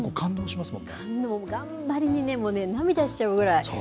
感動、頑張りにもね、もう涙しちゃうぐらい。